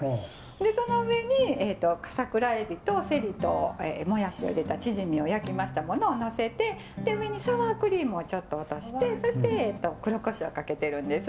その上に桜エビとセリともやしを入れたチヂミを焼きましたものを載せて上にサワークリームをちょっと落としてそして黒胡椒をかけてるんです。